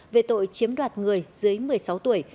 về tội chiếm đoạt người dưới một mươi sáu tuổi